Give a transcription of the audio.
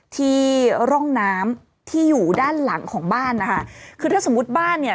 ที่ร่องน้ำที่อยู่ด้านหลังของบ้านนะคะคือถ้าสมมุติบ้านเนี่ย